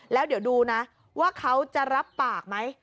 แล้วเดี๋ยวดูนะว่าเขาจะรับปากไหม